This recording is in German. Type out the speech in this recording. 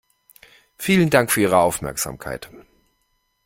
Vielen Dank für Ihre Aufmerksamkeit!